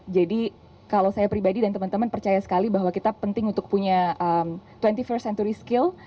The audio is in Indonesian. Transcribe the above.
jadi kalau saya pribadi dan teman teman percaya sekali bahwa kita penting untuk punya dua puluh satu st century skill